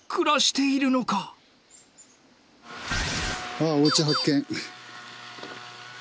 あっおうち発見。